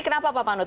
kenapa pak panut